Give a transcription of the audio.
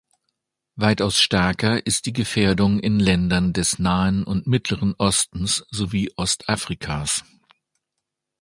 Weitaus stärker ist die Gefährdung in Ländern des Nahen und Mittleren Ostens sowie Ostafrikas.